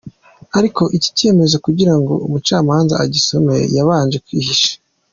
Ariko icyi cyemezo kugira ngo umucamanza agisome yabanje kwihisha!